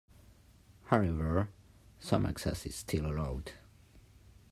However, some access is still allowed.